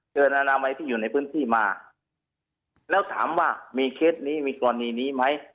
อนามัยที่อยู่ในพื้นที่มาแล้วถามว่ามีเคสนี้มีกรณีนี้ไหม